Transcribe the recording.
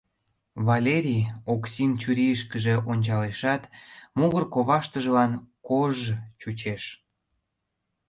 Валерий Оксин чурийышкыже ончалешат, могыр коваштыжлан кож-ж чучеш.